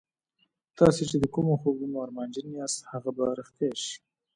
تاسې چې د کومو خوبونو ارمانجن یاست هغه به رښتیا شي